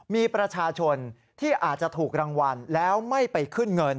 มีประชาชนที่อาจจะถูกรางวัลแล้วไม่ไปขึ้นเงิน